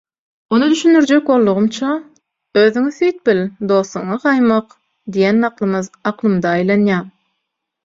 Ony düşündirjek boldugymça «Özüňi süýt bil, dostuňy gaýmak» diýen nakylymyz akylymda aýlanýar.